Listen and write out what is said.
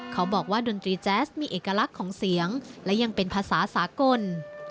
เขาบอกว่าดนตรีแจ๊สมีเอกลักษณ์ของเสียงและยังเป็นภาษาสากล